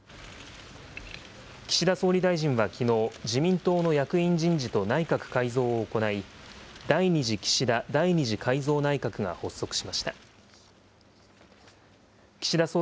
岸田総理大臣はきのう、自民党の役員人事と内閣改造を行い、第２次岸田第２次改造内閣が発足しました。